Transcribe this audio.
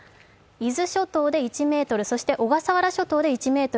伊豆諸島で１ｍ、小笠原諸島で１ｍ。